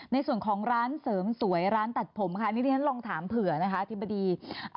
ในส่วนของร้านเสริมสวยร้านตัดผมลองถามเผื่อที่บดี